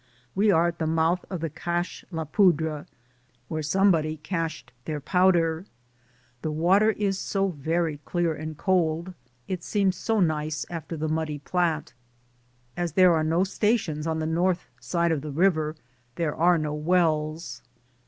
We are at the mouth of the Cache la Poudre — where somebody cached their powder. The water is so very clear and cold ; it seems so nice after the muddy Platte. As there are no stations on the north side of the river, there are no wells.